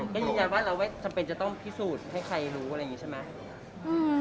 ก็ยืนยันว่าเราไม่จำเป็นจะต้องพิสูจน์ให้ใครรู้อะไรอย่างนี้ใช่ไหม